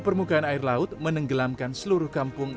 permukaan air laut menenggelamkan seluruh kampung